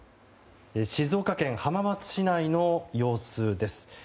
静岡県浜松市内の様子です。